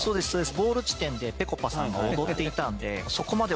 ゴール地点でぺこぱさんが踊っていたのでそこまでは。